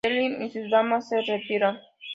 Selim y sus damas se retiran.